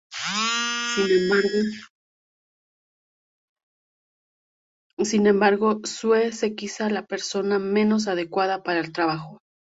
Sin embargo, Sue es quizás la persona menos adecuada para el trabajo.